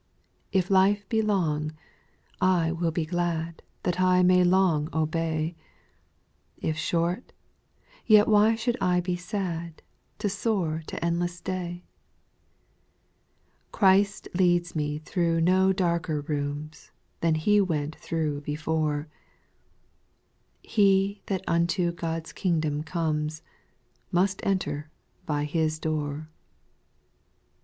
2. If life be long, I will be glad, That I may long obey ; If short, yet why should I be sad To soar to endless day ? 3. Christ leads me through no darker rooms Than He went through before ; He that unto God*s kingdom comes, Must enter by His door.